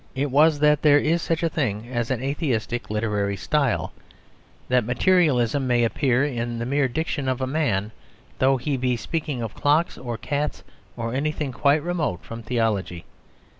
It was that there is such a thing as an atheistic literary style; that materialism may appear in the mere diction of a man, though he be speaking of clocks or cats or anything quite remote from theology.